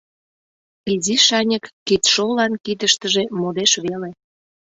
Изи шаньык кидшолан кидыштыже модеш веле.